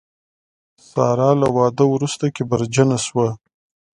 ساره له واده وروسته کبرجنه شوه.